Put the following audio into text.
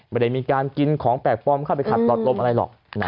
ไม่ได้มีการกินของแปลกปลอมเข้าไปขัดหลอดลมอะไรหรอก